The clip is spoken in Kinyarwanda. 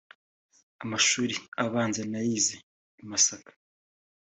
Amashuli abanza nayize i Masaka